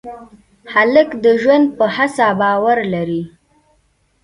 هلک د ژوند په هڅه باور لري.